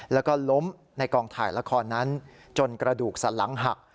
แล้วก็ล้มในกองถ่ายละครนั้นจนกระดูกสันหลังหัก